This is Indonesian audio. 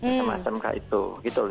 sma smk itu gitu loh